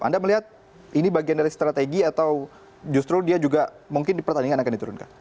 anda melihat ini bagian dari strategi atau justru dia juga mungkin di pertandingan akan diturunkan